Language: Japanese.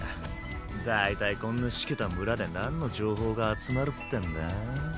だいたいこんなシケた村でなんの情報が集まるってんだ？